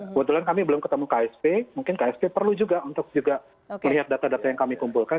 kebetulan kami belum ketemu ksp mungkin ksp perlu juga untuk juga melihat data data yang kami kumpulkan